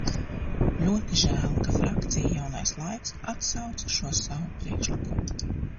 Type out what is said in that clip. "Ļoti žēl, ka frakcija "Jaunais laiks" atsauca šo savu priekšlikumu."